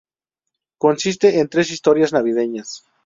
Consiste en tres historias navideñas.